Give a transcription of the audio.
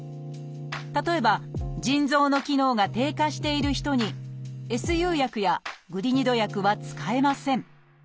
例えば腎臓の機能が低下している人にＳＵ薬やグリニド薬は使えません